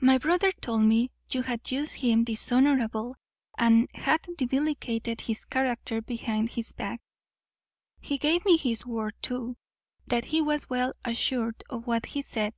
My brother told me you had used him dishonourably, and had divellicated his character behind his back. He gave me his word, too, that he was well assured of what he said.